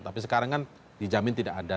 tapi sekarang kan dijamin tidak ada